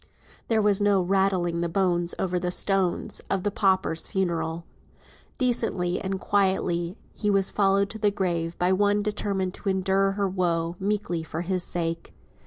There was no "rattling the bones over the stones," of the pauper's funeral. Decently and quietly was he followed to the grave by one determined to endure her woe meekly for his sake.